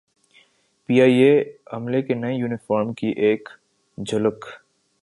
P I A عملے کے نئے یونیفارم کی ایک جھلک